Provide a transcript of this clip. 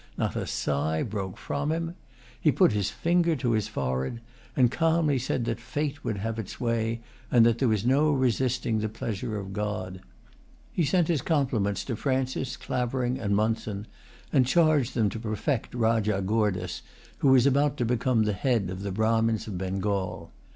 Not a sigh broke from him. He put his finger to his forehead, and calmly said that fate would have its way, and that there was no resisting the pleasure of God. He sent his compliments to Francis, Clavering, and Monson, and charged them to protect Rajah Goordas, who was about to become the head of the Brahmins of Bengal.